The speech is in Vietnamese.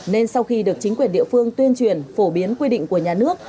nên sau khi được chính quyền địa phương tuyên truyền phổ biến quy định của nhà nước